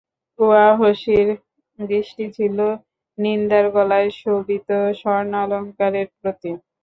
ওয়াহশীর দৃষ্টি ছিল হিন্দার গলায় শোভিত স্বর্ণালঙ্কারের প্রতি।